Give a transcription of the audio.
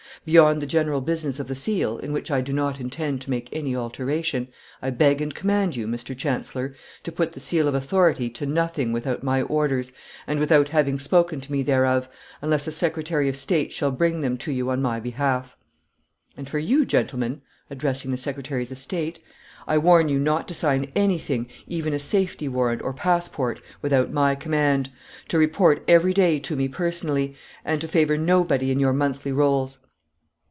Beyond the general business of the seal, in which I do not intend to make any alteration, I beg and command you, Mr. Chancellor, to put the seal of authority to nothing without my orders and without having spoken to me thereof, unless a secretary of state shall bring them to you on my behalf. ... And for you, gentlemen," addressing the secretaries of state, "I warn you not to sign anything, even a safety warrant or passport, without my command, to report every day to me personally, and to favor nobody in your monthly rolls.